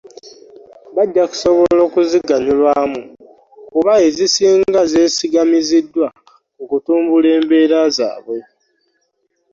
Bajja kusobola okuziganyulwamu kuba ezisinga zeesigamiziddwa ku kutumbula embeera zaabwe